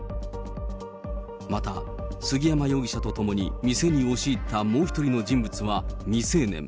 また、杉山容疑者と共に店に押し入ったもう１人の人物は未成年。